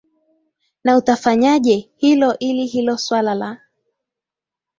na utafanyaje hilo ili hilo swala la